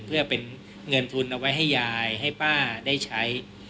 เพื่อเป็นเงินทุนเอาไว้ให้ยายให้ป้าได้ใช้